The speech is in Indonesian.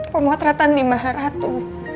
pemotretan di maharatu